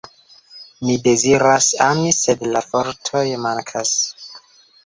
Mi deziras ami, sed la fortoj mankas.